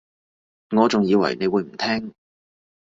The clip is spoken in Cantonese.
我仲以為你唔會聽